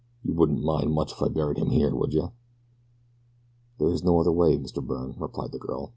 You wouldn't mind much if I buried him here, would you?" "There is no other way, Mr. Byrne," replied the girl.